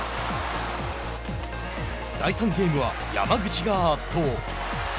第３ゲームは山口が圧倒。